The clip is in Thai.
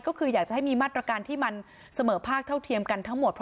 ก็คืออยากจะให้มีมาตรการที่มันเสมอภาคเท่าเทียมกันทั้งหมด